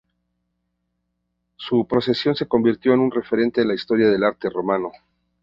Su procesión se convirtió en un referente en la historia del arte romano.